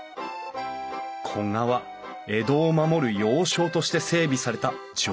古河は江戸を守る要衝として整備された城下町。